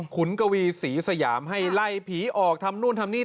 กวีศรีสยามให้ไล่ผีออกทำนู่นทำนี่